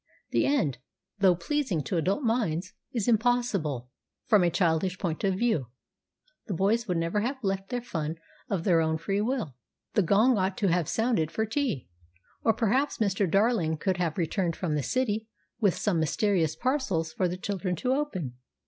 The end, though pleasing to adult minds, is impossible from a childish point of view. The boys would never have left their fun of their own free will. The gong ought to have sounded for tea, or perhaps Mr. Darling could have returned from the City with some mysterious parcels for the children to open.